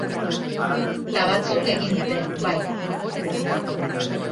Ta batzuk egin dute, bai!